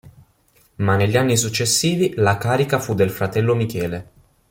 Ma negli anni successivi la carica fu del fratello Michele.